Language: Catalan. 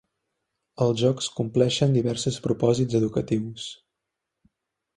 Els jocs compleixen diversos propòsits educatius.